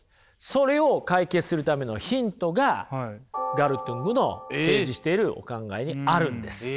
それを解決するためのヒントがガルトゥングの提示しているお考えにあるんです。